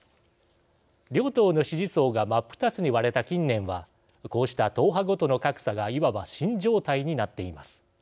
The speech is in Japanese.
両党の支持層が真っ二つに割れた近年はこうした党派ごとの格差がいわば「新常態」になっています。